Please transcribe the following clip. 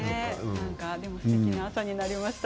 すてきな朝になりました。